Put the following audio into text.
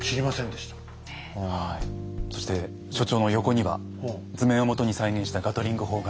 そして所長の横には図面をもとに再現したガトリング砲があります。